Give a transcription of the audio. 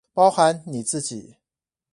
包含你自己